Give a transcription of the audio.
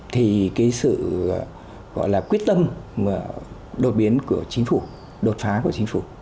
thì cái sự gọi là quyết tâm đột biến của chính phủ đột phá của chính phủ